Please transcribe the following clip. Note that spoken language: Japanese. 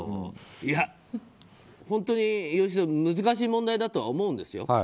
本当に吉田、難しい問題だとは思うんですよ。